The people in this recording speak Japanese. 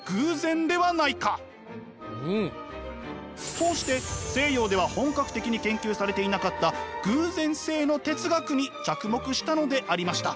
こうして西洋では本格的に研究されていなかった偶然性の哲学に着目したのでありました。